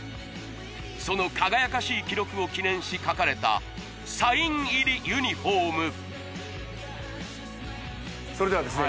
その輝かしい記録を記念し書かれたサイン入りユニフォームそれではですね